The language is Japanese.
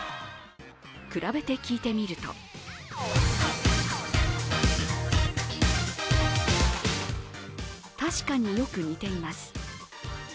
比べて聞いてみると確かによく似ています。